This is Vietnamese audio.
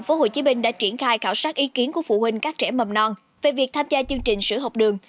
phụ huynh đã triển khai khảo sát ý kiến của phụ huynh các trẻ mầm non về việc tham gia chương trình sửa học đường